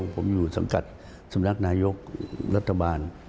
ผมอยู่สังกัดสำนักนายกรัฐบาล